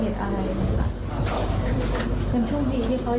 หมายถึงว่าเราเราเริ่มรู้แล้วเราก็มากับเรามาหาเราก็จะเห็นอะไร